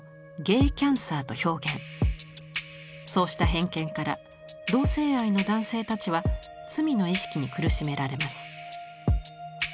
そうした偏見から同性愛の男性たちは罪の意識に苦しめられます。